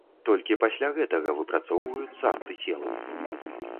Толькі пасля гэтага выпрацоўваюцца антыцелы.